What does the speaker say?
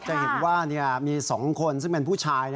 จะเห็นว่ามี๒คนซึ่งเป็นผู้ชาย